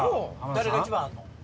誰が一番あんの？